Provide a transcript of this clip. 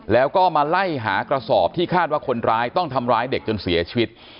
แล้วก็มาไล่หากระสอบที่คาดว่าคนร้ายต้องทำร้ายเด็กจนเสียชีวิต